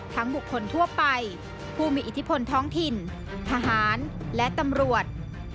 บุคคลทั่วไปผู้มีอิทธิพลท้องถิ่นทหารและตำรวจ